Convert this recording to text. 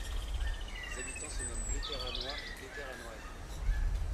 Les habitants se nomment Bletteranois et Bletteranoises.